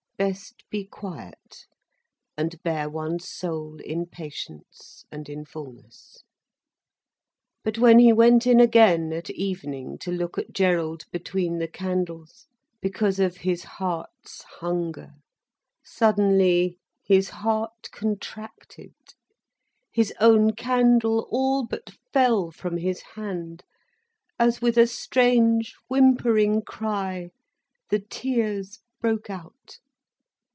Best be quiet, and bear one's soul in patience and in fullness. But when he went in again, at evening, to look at Gerald between the candles, because of his heart's hunger, suddenly his heart contracted, his own candle all but fell from his hand, as, with a strange whimpering cry, the tears broke out.